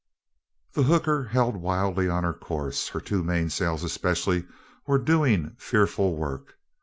The hooker held wildly on her course. Her two mainsails especially were doing fearful work.